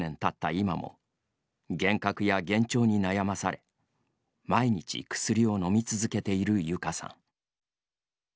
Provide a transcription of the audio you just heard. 今も幻覚や幻聴に悩まされ毎日薬を飲み続けているゆかさん。